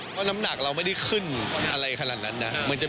เพราะน้ำหนักเราไม่ได้ขึ้นอะไรขนาดนั้นนะ